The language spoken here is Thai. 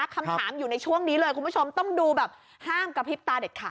คำถามอยู่ในช่วงนี้เลยคุณผู้ชมต้องดูแบบห้ามกระพริบตาเด็ดขา